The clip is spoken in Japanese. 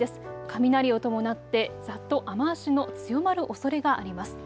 雷を伴ってざっと雨足の強まるおそれがあります。